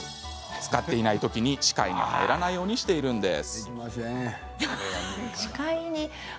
使っていない時に視界に入らないようにしているのです。